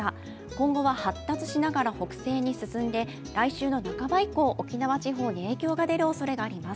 今後は発達しながら北西に進んで来週の半ば以降、沖縄地方に影響が出るおそれがあります。